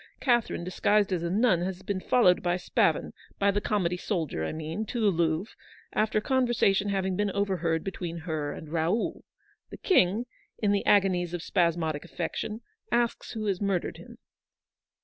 Catherine, disguised as a nun, has been followed by Spavin — by the comedy soldier, I mean — to the Louvre, after a conversation having been overheard between her and Raoul. The King, in the agonies of spasmodic affection, asks who has murdered him.